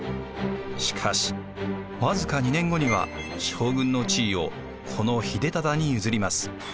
しかし僅か２年後には将軍の地位を子の秀忠に譲ります。